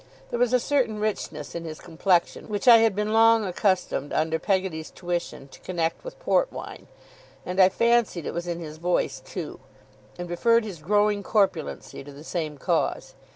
There was a certain richness in his complexion, which I had been long accustomed, under Peggotty's tuition, to connect with port wine; and I fancied it was in his voice too, and referred his growing corpulency to the same cause.